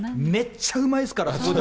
めっちゃうまいですから。